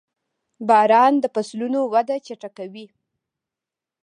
• باران د فصلونو وده چټکوي.